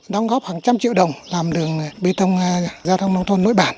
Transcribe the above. đóng góp hàng trăm triệu đồng làm đường bi tông gia tông nông thôn nỗi bản